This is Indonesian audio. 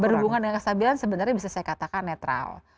berhubungan dengan kestabilan sebenarnya bisa saya katakan netral